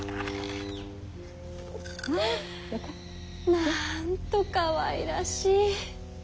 なんとかわいらしい。